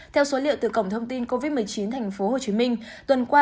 theo số liệu từ cổng thông tin covid một mươi chín tp hcm tuần qua